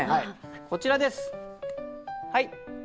こちらです。